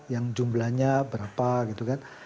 yang jumlahnya berapa gitu kan